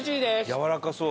やわらかそう。